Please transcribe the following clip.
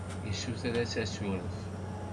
Yessuter-as asuref.